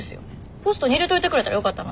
ポストに入れといてくれたらよかったのに。